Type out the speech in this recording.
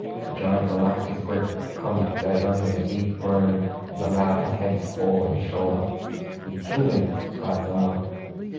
The giant relaxed his grip, but the convict gave only a deep groan, and allowed his head to fall on his shoulder. "You've killed him!" cried someone.